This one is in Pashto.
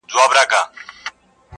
راته زړه ويل چي وځغله پټېږه!.